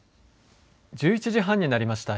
１１時半になりました。